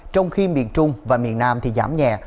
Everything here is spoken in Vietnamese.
trong khi miền trung và miền nam giảm nhẹ